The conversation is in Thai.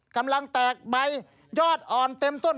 กำลังแตกใบยอดอ่อนเต็มต้น